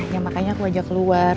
ya makanya aku ajak keluar